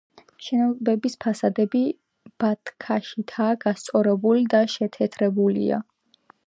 შენობის ფასადები ბათქაშითაა გასწორებული და შეთეთრებულია.